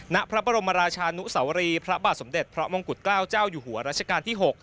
ณพระบรมราชานุสวรีพระบาทสมเด็จพระมงกุฎเกล้าเจ้าอยู่หัวรัชกาลที่๖